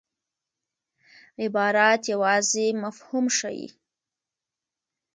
عبارت یوازي مفهوم ښيي.